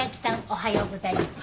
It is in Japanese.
おはようございます。